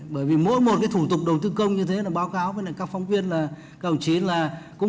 bởi vì mỗi một cái thủ tục đầu tư công như thế là báo cáo với các phóng viên là các ông chí là cũng